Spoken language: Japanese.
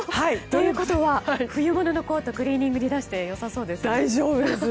ということは冬物のコートクリーニングに出してよさそうですか？